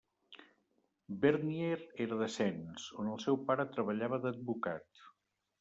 Vernier era de Sens, on el seu pare treballava d'advocat.